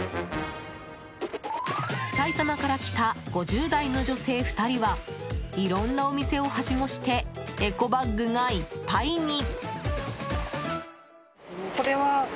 埼玉から来た５０代の女性２人はいろんなお店をはしごしてエコバッグがいっぱいに！